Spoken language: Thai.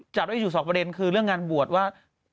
จากแล้วก็จะอยู่๒ประเด็นคือเรื่องงานบวชว่า